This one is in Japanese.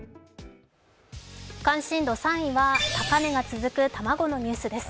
関心度３位は高値が続く卵ののニュースです。